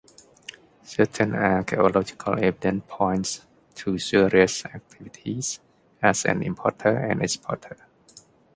Certain archaeological evidence points to Scaurus’ activities as an importer and exporter.